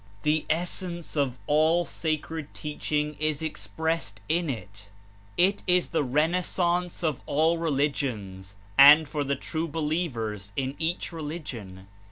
The essence of all sacred teaching is ex pressed in it. It is the renaissance of all religions, and for the true believers in each religion.